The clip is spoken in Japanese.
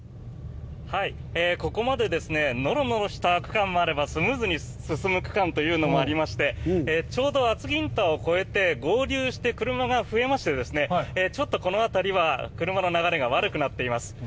ここまでノロノロした区間もあればスムーズに進む区間もありましてちょうど厚木ＩＣを越えて合流して車が増えましてちょっとこの辺りは車の流れが悪くなっています。